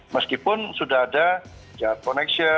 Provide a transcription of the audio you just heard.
meskipun sudah ada jalan koneksi